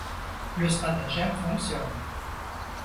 Le stratagème fonctionne.